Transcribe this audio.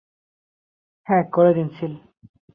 হ্যাঁ করে দিন সিল।